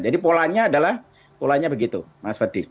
jadi polanya adalah polanya begitu mas fadi